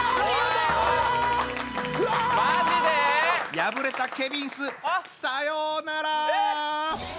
破れたケビンスさようなら！